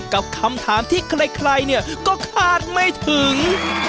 กับคำถามที่ใครเนี่ยก็คาดไม่ถึง